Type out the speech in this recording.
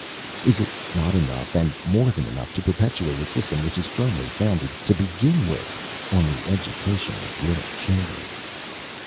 Is it not enough, and more than enough, to perpetuate a system which is firmly founded, to begin with, on the education of little children?